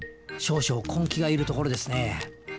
少々根気がいるところですね。